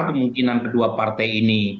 kemungkinan kedua partai ini